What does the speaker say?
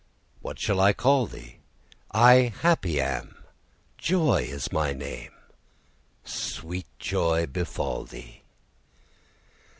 What shall I call thee? 'I happy am, Joy is my name.' Sweet joy befall thee!